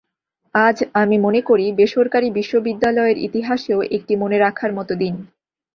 আজ, আমি মনে করি, বেসরকারি বিশ্ববিদ্যালয়ের ইতিহাসেও একটি মনে রাখার মতো দিন।